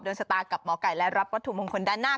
ชะตากับหมอไก่และรับวัตถุมงคลด้านหน้า